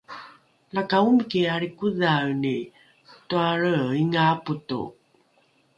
laka omiki alrikodhaeni toalreinga apoto